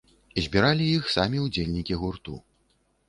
Збіралі іх самі ўдзельнікі гурту.